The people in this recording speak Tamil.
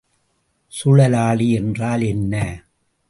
சுழலாழி என்றால் என்ன?